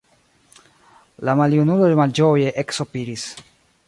La maljunulo malĝoje eksopiris.